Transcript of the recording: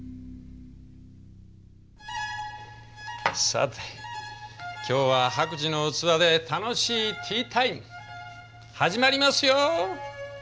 さて今日は白磁の器で楽しいティータイム始まりますよ。